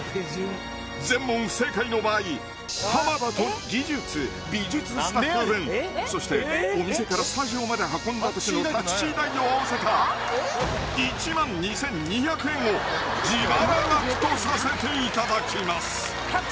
全問不正解の場合濱田と技術美術スタッフ分そしてお店からスタジオまで運んだ時のタクシー代を合わせたを自腹額とさせていただきます